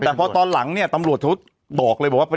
แต่พอตอนหลังเนี่ยตำรวจเขาบอกเลยบอกว่า